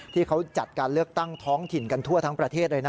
ที่เขาจัดการเลือกตั้งท้องถิ่นกันทั่วทั้งประเทศเลยนะ